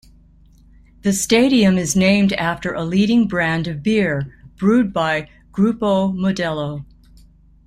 The stadium is named after a leading brand of beer brewed by Grupo Modelo.